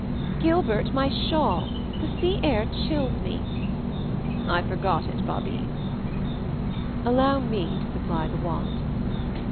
"Gilbert, my shawl. The sea air chills me." "I forgot it, Babie." "Allow me to supply the want."